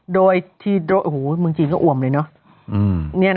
โดยที่เมืองจีนก็อวมเลยเนอะ